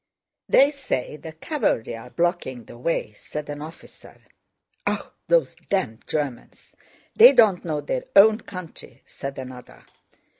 They say the cavalry are blocking the way," said an officer. "Ah, those damned Germans! They don't know their own country!" said another.